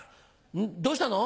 どうしたの？